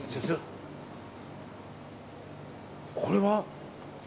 これは？